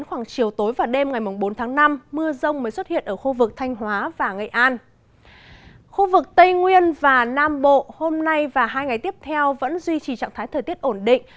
khu vực tây nguyên và nam bộ hôm nay và hai ngày tiếp theo vẫn duy trì trạng thái thời tiết ổn định